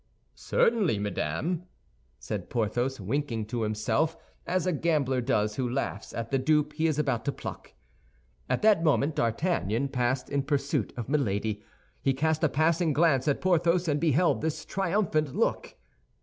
"Certainly, madame," said Porthos, winking to himself, as a gambler does who laughs at the dupe he is about to pluck. At that moment D'Artagnan passed in pursuit of Milady; he cast a passing glance at Porthos, and beheld this triumphant look.